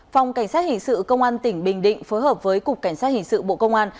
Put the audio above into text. phòng cảnh sát hình sự công an tỉnh bình định phối hợp với cục cảnh sát hình sự bộ công an